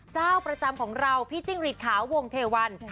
เจ้าประจำของเราพี่จิ้งหรีดขาววงเทวัน